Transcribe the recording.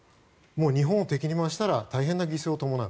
日本を敵に回したら大変な犠牲を伴う。